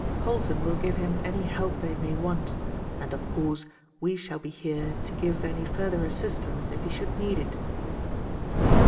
Polton will give him any help that he may want and, of course, we shall be here to give any further assistance if he should need it."